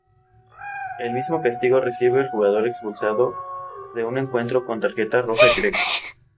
El mismo castigo recibe el jugador expulsado de un encuentro con tarjeta roja directa.